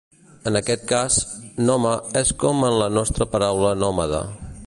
En aquest cas, -nome és com en la nostra paraula nòmada.